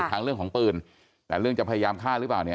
ทั้งเรื่องของปืนแต่เรื่องจะพยายามฆ่าหรือเปล่าเนี่ย